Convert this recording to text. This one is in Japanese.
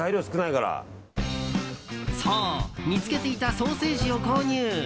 そう、見つけていたソーセージを購入。